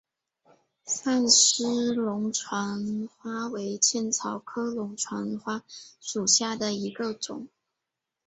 上思龙船花为茜草科龙船花属下的一个种。